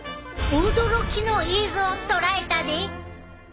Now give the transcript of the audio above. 驚きの映像を捉えたで！